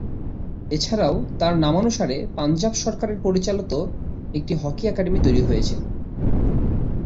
এছাড়াও তার নামানুসারে পাঞ্জাব সরকারের পরিচালিত একটি হকি একাডেমী তৈরি হয়েছে।